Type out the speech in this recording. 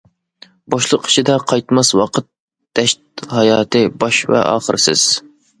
بوشلۇق ئىچىدە قايتماس ۋاقىت، دەشت ھاياتى باش ۋە ئاخىرسىز.